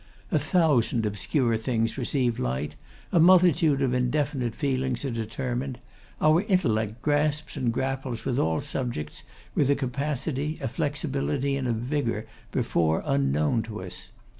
A thousand obscure things receive light; a multitude of indefinite feelings are determined. Our intellect grasps and grapples with all subjects with a capacity, a flexibility, and a vigour, before unknown to us.